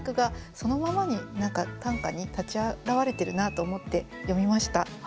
そのままに短歌に立ち現れてるなと思って読みました。